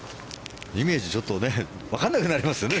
イメージがちょっとわからなくなりますよね。